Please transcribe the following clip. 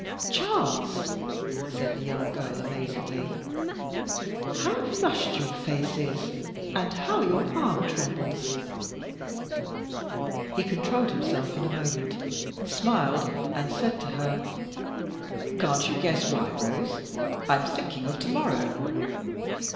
"Charles," said the young girl, amazedly, "how flushed your face is, and how your arm trembles!" He controlled himself in a moment, smiled, and said to her: "Can't you guess why, Rose? I am thinking of to morrow."